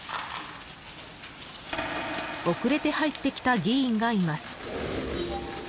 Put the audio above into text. ［遅れて入ってきた議員がいます］